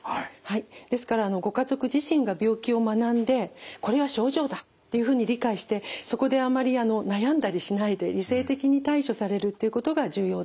ですからご家族自身が病気を学んでこれは症状だっていうふうに理解してそこであまり悩んだりしないで理性的に対処されるっていうことが重要です。